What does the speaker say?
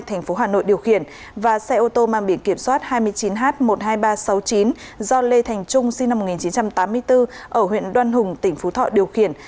thành phố hà nội điều khiển và xe ô tô mang biển kiểm soát hai mươi chín h một mươi hai nghìn ba trăm sáu mươi chín do lê thành trung sinh năm một nghìn chín trăm tám mươi bốn ở huyện đoan hùng tỉnh phú thọ điều khiển